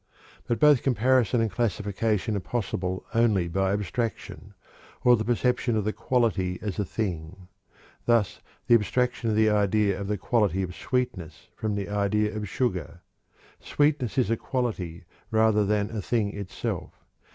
But both comparison and classification are possible only by abstraction, or the perception of the quality as a "thing"; thus, the abstraction of the idea of the quality of sweetness from the idea of sugar. Sweetness is a quality rather than a thing itself.